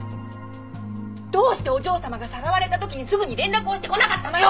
どうしてお嬢様がさらわれた時にすぐに連絡をしてこなかったのよ！